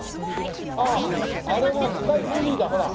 あああれがスカイツリーだほら。